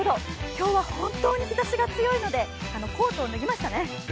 今日は本当に日ざしが強いのでコートを脱ぎましたね。